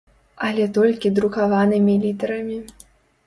Але толькі друкаванымі літарамі.